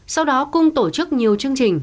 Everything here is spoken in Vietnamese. sau đó cung tổ chức nhiều chương trình